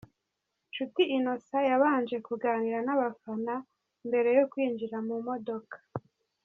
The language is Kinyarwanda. Nshuti Innocent yabanje kuganira n'abafana mbere yo kwinjira mu modoka.